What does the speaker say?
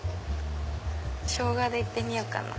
ショウガで行ってみようかな。